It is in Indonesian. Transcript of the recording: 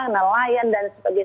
nelayan dan sebagainya